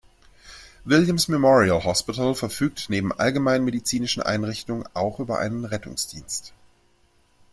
Williams Memorial Hospital" verfügt neben allgemeinen Medizinischen Einrichtungen auch über einen Rettungsdienst.